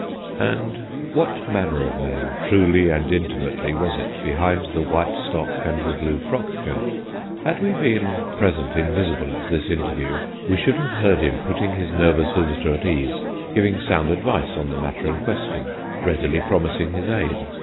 ...' And what manner of man, truly and intimately, was it behind the white stock and the blue frock coat? Had we been present invisible at this interview, we should have heard him putting his nervous visitor at ease, giving sound advice on the matter in question, readily promising his aid.